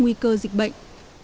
nguy cơ dịch bệnh